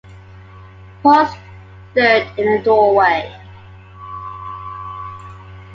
Paul stood in the doorway.